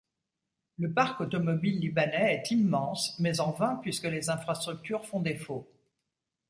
Le parc automobile libanais est immense mais en vain puisque les infrastructures font défaut.